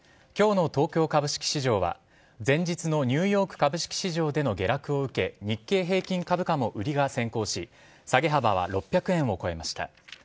今日の東京株式市場は前日のニューヨーク株式市場での下落を受け日経平均株価も売りが先行し下げ幅は６００円を超えました。